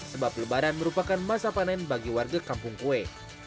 sebab lebaran merupakan masa panen bagi warga kampung kue